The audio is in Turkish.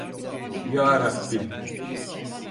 Yarabbim!